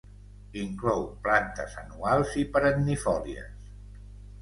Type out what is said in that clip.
Inclou plantes anuals i perennifòlies.